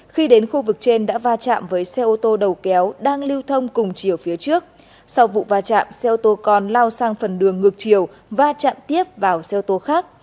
khi đến khu vực trên đã va chạm với xe ô tô đầu kéo đang lưu thông cùng chiều phía trước sau vụ va chạm xe ô tô con lao sang phần đường ngược chiều va chạm tiếp vào xe ô tô khác